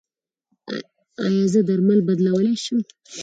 ایا زه درمل بدلولی شم؟